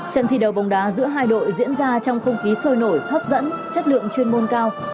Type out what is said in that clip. trận thi đấu bóng đá giữa hai đội diễn ra trong không khí sôi nổi hấp dẫn chất lượng chuyên môn cao